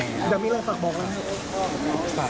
อย่างงี้เราฝากบอกแล้วหรือเปล่า